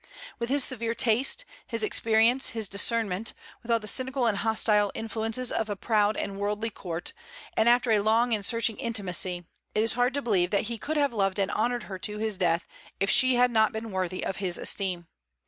With his severe taste, his experience, his discernment, with all the cynical and hostile influences of a proud and worldly court, and after a long and searching intimacy, it is hard to believe that he could have loved and honored her to his death if she had not been worthy of his esteem.